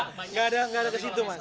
gak ada gak ada kesitu mas